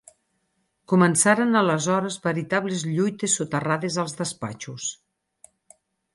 Començaren aleshores veritables lluites soterrades als despatxos.